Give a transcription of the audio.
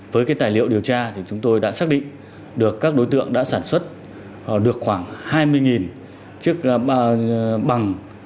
với cái tài liệu điều tra thì chúng tôi đã xác định được các đối tượng đã sản xuất được khoảng hai mươi chiếc bằng